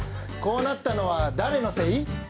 こうなったのは誰のせい？